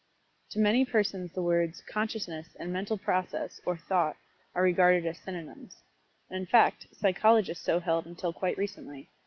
To many persons the words "consciousness" and "mental process," or "thought" are regarded as synonymous. And, in fact, psychologists so held until quite recently.